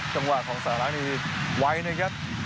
จังหวะของสาธารักษ์นี้ไวหนึ่งครับ